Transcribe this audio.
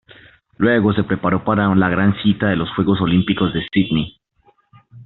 Luego se preparó para la gran cita de los Juegos Olímpicos de Sídney.